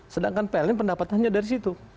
sedangkan pln pendapatannya dari situ